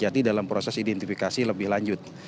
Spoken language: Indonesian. jadi dalam proses identifikasi lebih lanjut